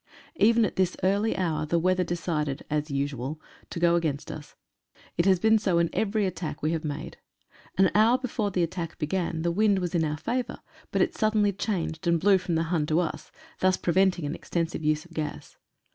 Even at this early hour the weather decided, as usual, 1o go against us. It has been so in every attack we have made. An hour before the attack began the wind was in our favour, but it suddenly changed, and blew from the Hun to us — thus preventing an extensive use of gas.